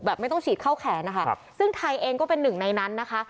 ไม่ต้องฉีดเข้าแขนนะคะซึ่งไทยเองก็เป็นหนึ่งในนั้นนะคะ